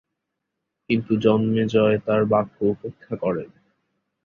কিন্তু জন্মেজয় তার বাক্য উপেক্ষা করেন।